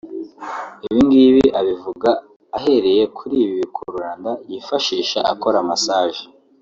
Ibingibi abivuga ahereye kuri ibi bikururanda yifashisha akora massage